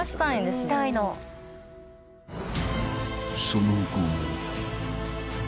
［その後も］